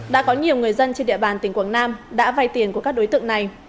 đã có nhiều người dân trên địa bàn tỉnh quảng nam đã vay tiền của các đối tượng này